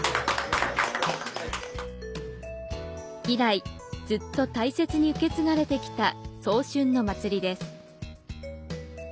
以来、ずっと大切に受け継がれてきた早春の祭りです。